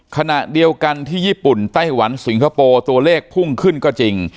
ขณะเดียวกันที่ญี่ปุ่นไต้หวันสิงคโปร์ตัวเลขพุ่งขึ้นก็จริง